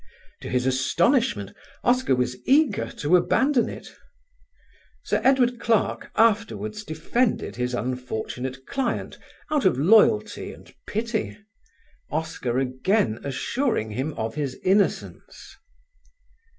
To his astonishment Oscar was eager to abandon it. Sir Edward Clarke afterwards defended his unfortunate client out of loyalty and pity, Oscar again assuring him of his innocence.